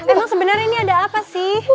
emang sebenarnya ini ada apa sih